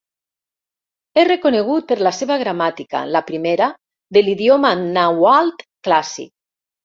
És reconegut per la seva gramàtica, la primera, de l'idioma nàhuatl clàssic.